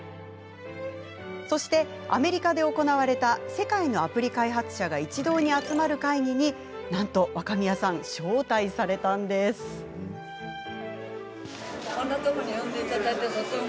そしてアメリカで行われた世界のアプリ開発者が一堂に集まる会議に、なんと若宮さんが招待されたのです。